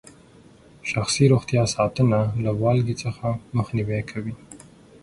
شخصي روغتیا ساتنه له والګي څخه مخنیوي کوي.